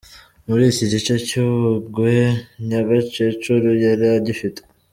Muri iki gice cy’Ubungwe, Nyagakecuru yari agifite.